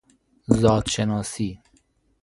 زادشناسی